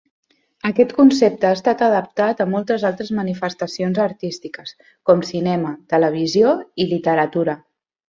Aquest concepte ha estat adaptat a moltes altres manifestacions artístiques com cinema, televisió i literatura.